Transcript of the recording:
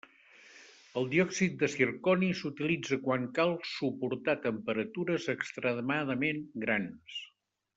El diòxid de zirconi s'utilitza quan cal suportar temperatures extremadament grans.